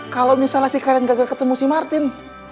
kalau misalnya si karen gagal ketemu si martin